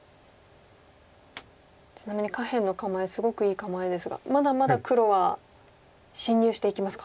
ちなみに下辺の構えすごくいい構えですがまだまだ黒は侵入していきますか。